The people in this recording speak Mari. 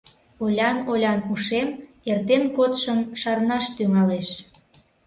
Олян-олян ушем эртен кодшым шарнаш тӱҥалеш.